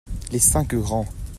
Les cinq grands.